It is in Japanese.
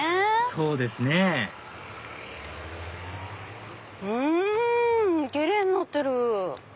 そうですねうん奇麗になってる。